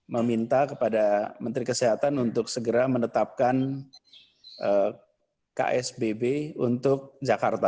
meminta kepada menteri kesehatan untuk segera menetapkan psbb untuk jakarta